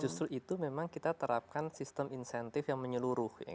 justru itu memang kita terapkan sistem insentif yang menyeluruh